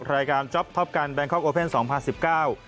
จ๊อปท็อปกันแบงคอกโอเพ่นสองพันสิบเก้า